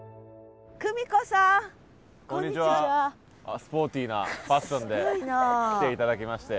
スポーティーなファッションで来て頂きまして。